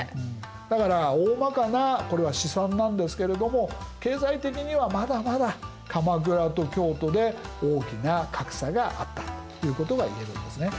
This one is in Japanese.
だからおおまかなこれは試算なんですけれども経済的にはまだまだ鎌倉と京都で大きな格差があったということがいえるんですね。